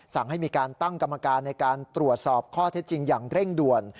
สั่งให้มีการตั้งกรรมการในการตรวจสอบข้อเท็จจริงอย่างเร่งด่วน